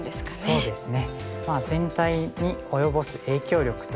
そうですね。